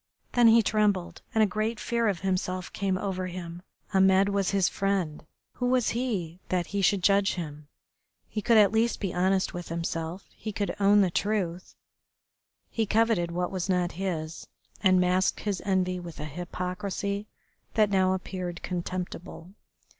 Then he trembled, and a great fear of himself came over him. Ahmed was his friend. Who was he that he should judge him? He could at least be honest with himself, he could own the truth. He coveted what was not his, and masked his envy with a hypocrisy that now appeared contemptible.